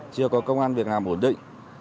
chưa có công an việc làm ổn định